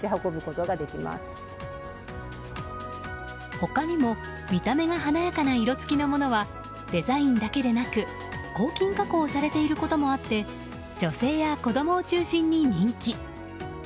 他にも見た目が華やかな色付きのものはデザインだけでなく抗菌加工されていることもあって女性や子供を中心に人気。